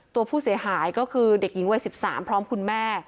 ตัวผู้เสียหายก็คือเด็กหญิงวัย๑๓พร้อมคุณแม่